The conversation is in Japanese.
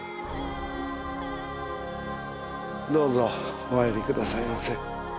どうぞお入りくださいませ。